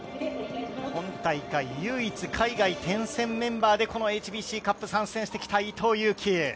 今大会、唯一海外転戦メンバーでこのＨＢＣカップ参戦してきた伊藤有希。